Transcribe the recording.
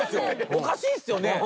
おかしいですよね！？